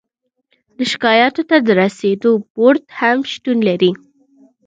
د شکایاتو ته د رسیدو بورد هم شتون لري.